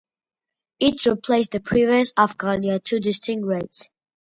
It replaced the previous afghani at two distinct rates.